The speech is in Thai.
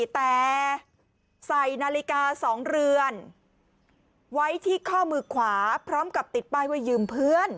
แต่ใส่นาฬิกา๒เรือนไว้ที่ข้อมือขวาพร้อมกับติดป้ายว่ายืมเพื่อน